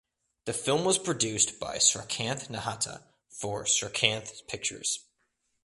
The film was produced by Srikanth Nahata for Srikanth Pictures.